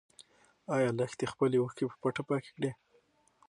ايا لښتې خپلې اوښکې په پټه پاکې کړې؟